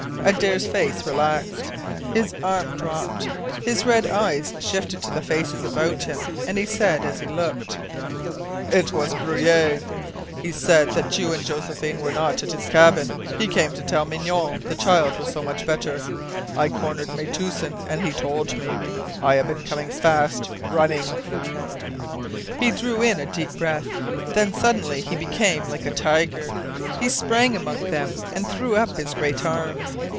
Adare's face relaxed. His arm dropped. His red eyes shifted to the faces about him, and he said, as he looked: "It was Breuil. He said you and Josephine were not at his cabin. He came to tell Mignonne the child was so much better. I cornered Metoosin, and he told me. I have been coming fast, running." He drew in a deep breath. Then suddenly he became like a tiger. He sprang among the men, and threw up his great arms.